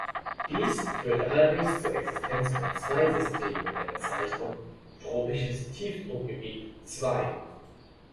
Dies führte allerdings zur Existenz von zwei Systemen mit der Bezeichnung „Tropisches Tiefdruckgebiet Zwei“.